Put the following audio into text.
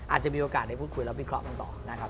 อาจจะมีโอกาสได้พูดคุยแล้ววิเคราะห์กันต่อนะครับ